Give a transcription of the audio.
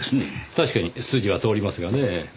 確かに筋は通りますがね。